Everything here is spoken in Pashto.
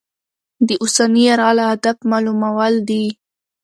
د اوسني یرغل هدف معلومول دي.